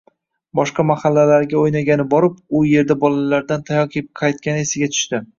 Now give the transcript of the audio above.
Boshqa mahallalarga o'ynagani borib, u yerda bolalardan tayoq yeb qaytgani esiga tushdi.